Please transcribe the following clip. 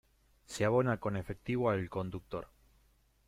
Se abona con efectivo al conductor.